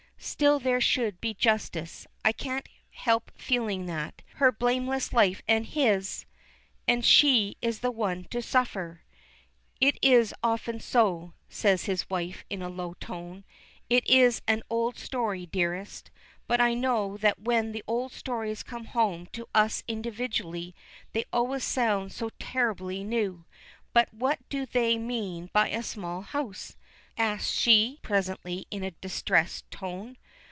"Still, there should be justice. I can't help feeling that. Her blameless life, and his and she is the one to suffer." "It is so often so," says his wife in a low tone. "It is an old story, dearest, but I know that when the old stories come home to us individually they always sound so terribly new. But what do they mean by a small house?" asks she presently in a distressed tone.